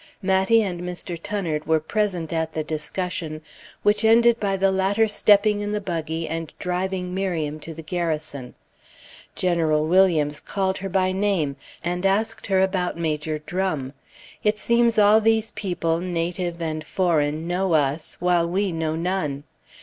Mattie and Mr. Tunnard were present at the discussion, which ended by the latter stepping in the buggy and driving Miriam to the Garrison. General Williams called her by name, and asked her about Major Drum. It seems all these people, native and foreign, know us, while we know none.